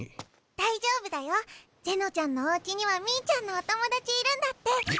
大丈夫だよゼノちゃんのおうちにはミーちゃんのお友達いるんだって。え？